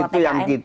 itu itu yang kita